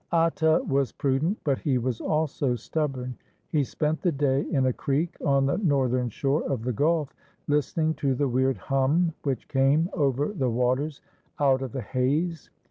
Atta was prudent, but he was also stubborn. He spent the day in a creek on the northern shore of the gulf, listening to the weird hum which came over the waters out of the haze.